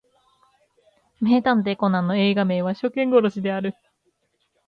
名探偵コナンの映画名は初見殺しである